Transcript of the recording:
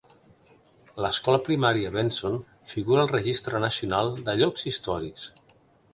L'escola primària Benson figura al Registre Nacional de Llocs Històrics.